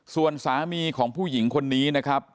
ส่วนสามีของผู้หญิงคนนี้นะครับ